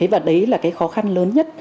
và đấy là cái khó khăn lớn nhất